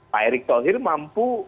pak erick thohir mampu